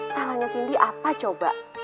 salahnya cindy apa coba